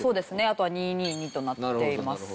あとは２２２となっています。